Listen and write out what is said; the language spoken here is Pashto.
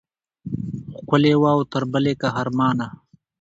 ښکلې وه او تر بلې قهرمانه.